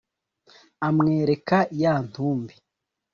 amwereka ya ntumbi,